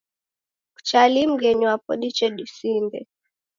Kucha lii mghenyi wapo diche disinde?